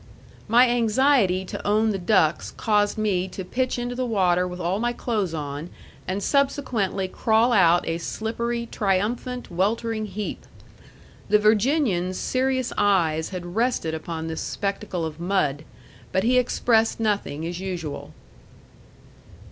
My anxiety to own the ducks caused me to pitch into the water with all my clothes on, and subsequently crawl out a slippery, triumphant, weltering heap. The Virginian's serious eyes had rested upon this spectacle of mud; but he expressed nothing, as usual.